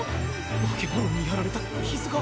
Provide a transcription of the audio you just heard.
化け物にやられた傷が。